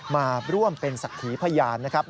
มาร่วมเป็นศักดิ์ขีพยานนะครับ